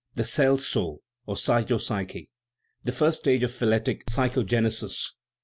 The cell soul (or cytopsyche) : first stage of phyletic psychogenesis.